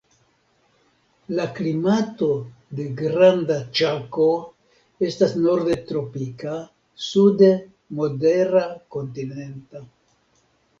La klimato de Granda Ĉako estas norde tropika, sude modera kontinenta.